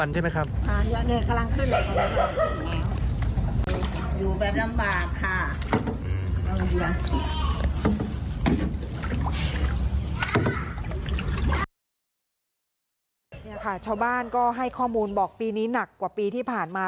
นี่ค่ะชาวบ้านก็ให้ข้อมูลบอกปีนี้หนักกว่าปีที่ผ่านมา